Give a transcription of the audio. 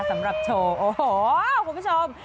สำหรับโชว์โอ้โหคุณผู้ชม